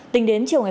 tính đến chiều nay